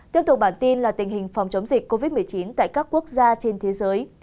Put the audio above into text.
tiếp tục bản tin là tình hình phòng chống dịch covid một mươi chín tại các quốc gia trên thế giới